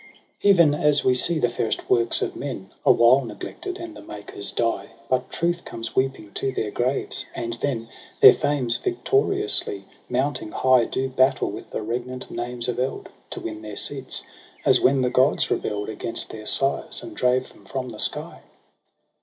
7 Even as we see the fairest works of men Awhile neglected, and the makers die ; But Truth comes weeping to their graves, and then Their fames victoriously mounting high Do battle with the 'regnant names of eld, To win their seats j as when the Gods rebel'd Against their sires and drave them from the sky.